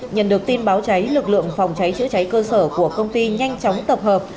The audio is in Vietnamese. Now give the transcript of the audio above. nhận được tin báo cháy lực lượng phòng cháy chữa cháy cơ sở của công ty nhanh chóng tập hợp